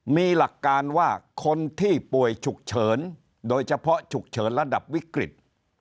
มีหลักการว่าคนที่ป่วยฉุกเฉินโดยเฉพาะฉุกเฉินระดับวิกฤต